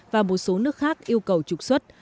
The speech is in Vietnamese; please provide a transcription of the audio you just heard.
và một số nước khác yêu cầu trục xuất